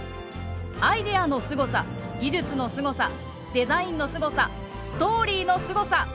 アイデアのすごさ技術のすごさデザインのすごさストーリーのすごさ。